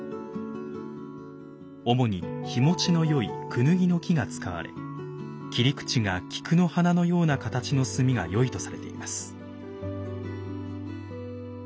主に火持ちのよいクヌギの木が使われ切り口が菊の花のような形の炭がよいとされています。